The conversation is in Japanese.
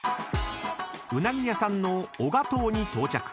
［うなぎ屋さんの「小川藤」に到着］